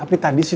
aku mau pergi